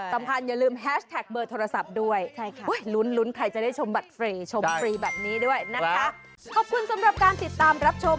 สำคัญอย่าลืมแฮชแท็กเบอร์โทรศัพท์ด้วยลุ้นใครจะได้ชมบัตรฟรีชมฟรีแบบนี้ด้วยนะคะ